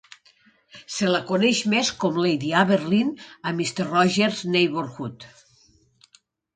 Se la coneix més com "Lady Aberlin" a "Mister Rogers' Neighborhood".